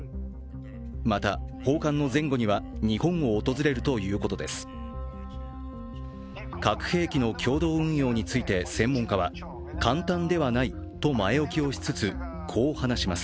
また訪韓の前後には日本を訪れるということです。